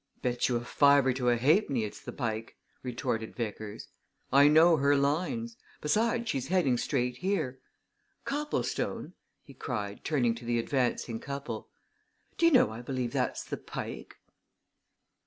"Bet you a fiver to a halfpenny it's the Pike," retorted Vickers. "I know her lines. Besides she's heading straight here. Copplestone!" he cried, turning to the advancing couple. "Do you know, I believe that's the _Pike!